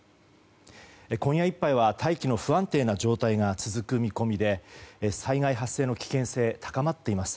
今夜いっぱいは、大気の不安定な状態が続く見込みで災害発生の危険性高まっています。